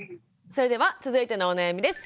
それでは続いてのお悩みです。